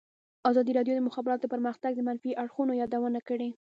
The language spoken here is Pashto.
ازادي راډیو د د مخابراتو پرمختګ د منفي اړخونو یادونه کړې.